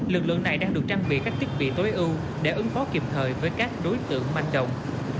lực lượng này đang được trang bị các thiết bị tối ưu để ứng phó kịp thời với các đối tượng manh động